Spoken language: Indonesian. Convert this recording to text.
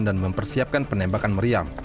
dan mempersiapkan penembakan meriam